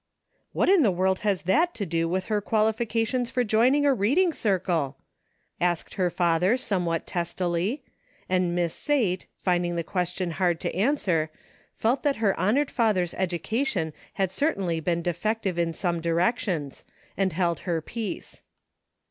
" What in the world has that to do with her qualifications for joining a reading circle .''" asked her father somewhat testily ; and Miss Sate, find ing the question hard to answer, felt that her hon ored father's education had certainly been defec tive in some directions, and held her peace.